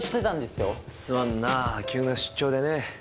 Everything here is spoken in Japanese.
すまんな急な出張でね。